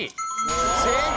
正解！